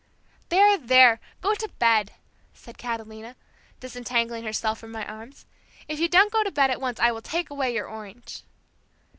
"There! there! Go to bed," said Catalina, disentangling herself from my arms. "If you don't go to bed at once I will take away your orange."